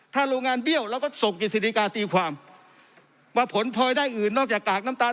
ถ้าโรงงานเบี้ยวเราก็ส่งกฤษฎิกาตีความว่าผลพลอยได้อื่นนอกจากกากน้ำตาล